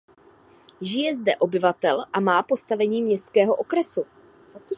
Žije zde obyvatel a má postavení městského okresu.